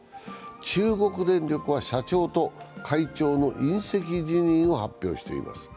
中国電力は社長と会長の引責辞任を発表しています。